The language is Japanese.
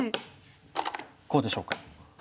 こうでしょうか。